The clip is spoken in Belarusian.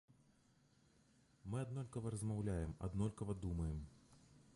Мы аднолькава размаўляем, аднолькава думаем.